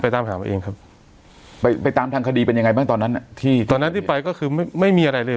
ตามหามาเองครับไปไปตามทางคดีเป็นยังไงบ้างตอนนั้นอ่ะที่ตอนนั้นที่ไปก็คือไม่มีอะไรเลย